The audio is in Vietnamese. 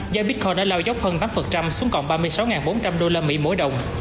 giá bitcoin đã lao dốc hơn tám xuống cộng ba mươi sáu bốn trăm linh usd mỗi đồng